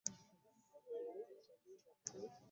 Tulekere awo okukungula bye tutaasiga.